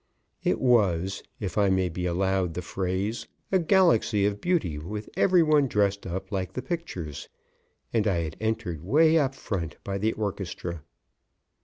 It was, if I may be allowed the phrase, a galaxy of beauty, with every one dressed up like the pictures. And I had entered 'way up front, by the orchestra.